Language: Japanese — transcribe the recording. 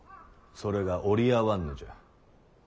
それが折り合わんのじゃ。